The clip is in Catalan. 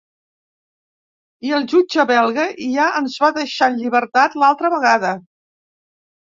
I el jutge belga ja ens va deixar en llibertat l’altra vegada.